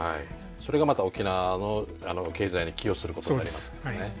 それがまた沖縄の経済に寄与することになりますもんね。